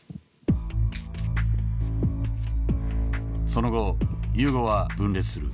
その後ユーゴは分裂する。